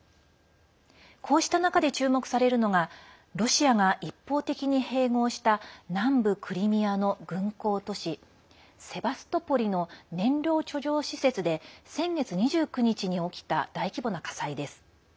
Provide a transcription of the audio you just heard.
こうした中で注目されるのがロシアが一方的に併合した南部クリミアの軍港都市セバストポリの燃料貯蔵施設で先月２９日に起きた大規模な火災です。